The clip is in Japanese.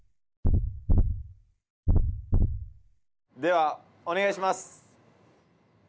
ではお願いします。